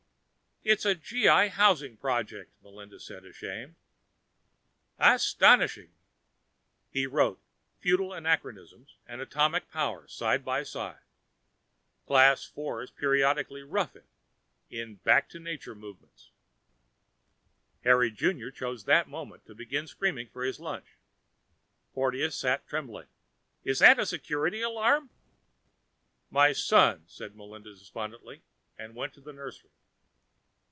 "It's a G.I. housing project," Melinda said, ashamed. "Astonishing." He wrote: Feudal anachronisms and atomic power, side by side. Class Fours periodically "rough it" in back to nature movements. Harry Junior chose that moment to begin screaming for his lunch. Porteous sat, trembling. "Is that a Security Alarm?" "My son," said Melinda despondently, and went into the nursery.